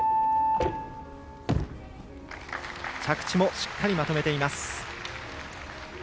着地もしっかりまとめています。